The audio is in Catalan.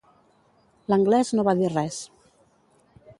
L'anglès no va dir res.